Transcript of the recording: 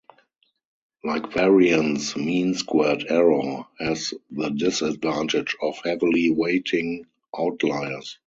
Like variance, mean squared error has the disadvantage of heavily weighting outliers.